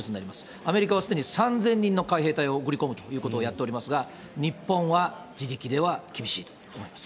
アメリカはすでに３０００人の海兵隊を送り込むということをやっておりますが、日本は自力では厳しいと思います。